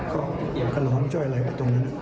ก็กระหลอมจ่อยอะไรไปตรงนั้น